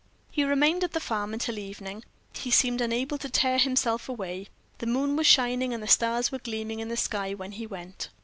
He remained at the farm until evening; he seemed unable to tear himself away. The moon was shining, and the stars were gleaming in the sky when he went.